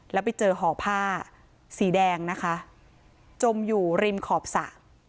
แล้วไปเจอห่อผ้าสีแดงนะคะจมอยู่ริมขอบสระ